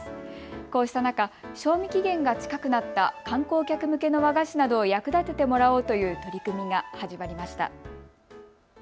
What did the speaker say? こうした中、賞味期限が近くなった観光客向けの和菓子などを役立ててもらおうという取り組みが始まりました。